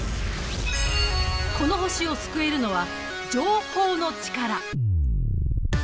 この星を救えるのは情報のチカラ。